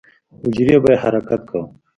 حجرې به يې حرکت کا.